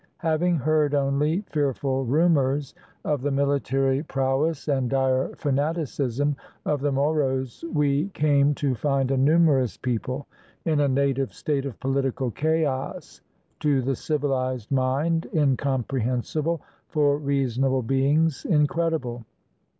Having heard only fearful rumors of the military 542 PREPARING OUR MOROS FOR GOVERNMENT prowess and dire fanaticism of the Moros, we came to find a numerous people in a native state of political chaos, to the civilized mind incomprehensible, for rea sonable beings incredible.